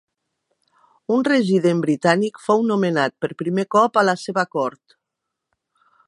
Un resident britànic fou nomenat per primer cop a la seva cort.